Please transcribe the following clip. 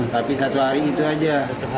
tapi satu hari itu aja